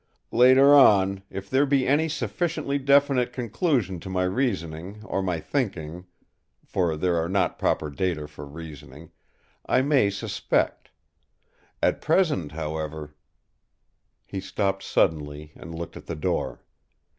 Later on, if there be any sufficiently definite conclusion to my reasoning, or my thinking—for there are not proper data for reasoning—I may suspect; at present however—" He stopped suddenly and looked at the door.